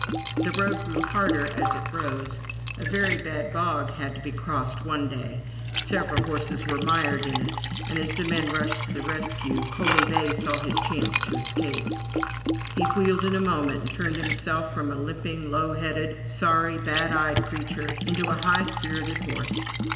The road grew harder as it rose. A very bad bog had to be crossed one day. Several horses were mired in it, and as the men rushed to the rescue. Coaly bay saw his chance of escape. He wheeled in a moment and turned himself from a limping low headed, sorry, bad eyed creature into a high spirited horse.